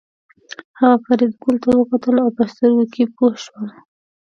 هغه فریدګل ته وکتل او په سترګو کې پوه شول